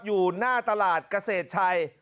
อยู่หน้าตลาดเกษตรชัย